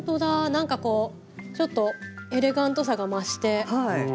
なんかこうちょっとエレガントさが増して。